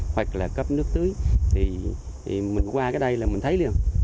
hoặc là cấp nước tưới thì mình qua cái đây là mình thấy luôn